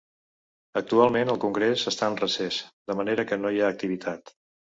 Actualment el congrés està en recés, de manera que no hi ha activitat.